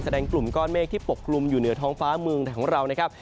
กลุ่มก้อนเมฆที่ปกกลุ่มอยู่เหนือท้องฟ้าเมืองไทยของเรานะครับ